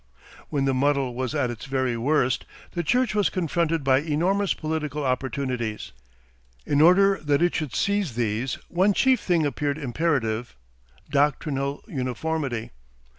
When the muddle was at its very worst, the church was confronted by enormous political opportunities. In order that it should seize these one chief thing appeared imperative: doctrinal uniformity.